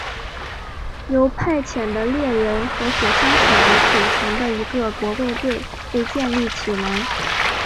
由派遣的猎人和火枪手组成的一个国卫队被建立起来。